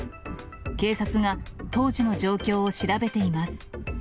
警察が当時の状況を調べています。